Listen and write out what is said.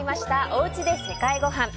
おうちで世界ごはん。